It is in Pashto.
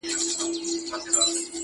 o لښکر که ډېر وي، بې مشره هېر وي!